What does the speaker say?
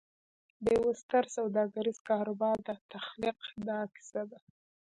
د یوه ستر سوداګریز کاروبار د تخلیق دا کیسه ده